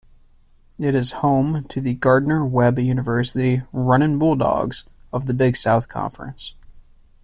It is home to the Gardner-Webb University Runnin' Bulldogs, of the Big South Conference.